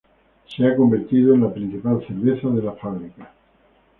Se ha convertido en la principal cerveza de la fábrica.